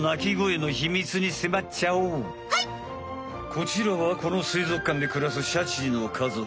こちらはこのすいぞくかんでくらすシャチの家族。